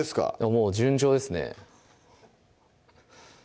もう順調ですね